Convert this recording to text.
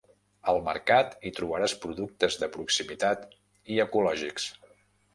Al mercat hi trobaràs productes de proximitat i ecològics.